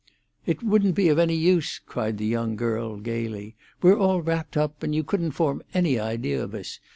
"It wouldn't be of any use," cried the young girl gaily. "We're all wrapped up, and you couldn't form any idea of us.